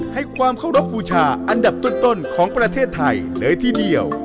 ให้ความเคารพบูชาอันดับต้นของประเทศไทยเลยทีเดียว